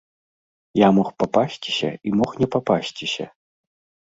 Я мог папасціся і мог не папасціся.